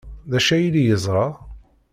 D acu ara yili yeẓra?